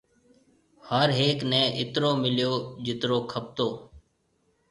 ھر ھيَََڪ نَي اِترو مِليو جِترو کَپتو۔